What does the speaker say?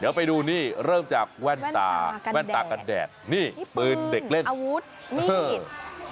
เดี๋ยวไปดูเริ่มจากแว่นตากันแดดนี่ปืนเด็กเล่นอาวุธมีด